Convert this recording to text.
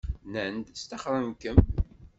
Nnan-d sṭaxren-kem.